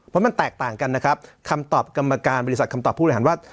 เพราะมันแตกต่างกันนะครับคำตอบกรรมการบริษัทคำตอบผู้บริหารว่า